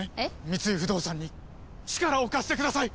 三井不動産に力を貸してください！